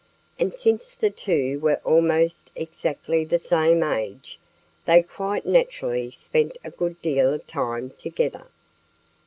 And since the two were almost exactly the same age, they quite naturally spent a good deal of time together.